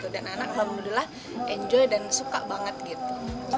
dan anak anak alhamdulillah enjoy dan suka banget gitu